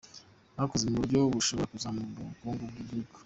Bukoze mu buryo bushobora kuzamura ubukungu bw’igihugu.